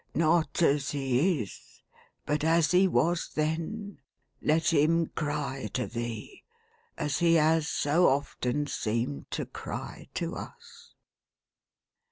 Not as he is, but as he was then, let him cry to thee, as he has so often seemed to cry to us